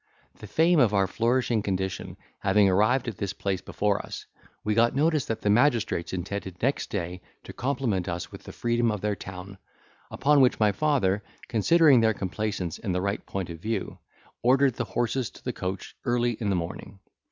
The fame of our flourishing condition having arrived at this place before us, we got notice that the magistrates intended next day to compliment us with the freedom of their town; upon which my father, considering their complaisance in the right point of view, ordered the horses to the coach early in the morning.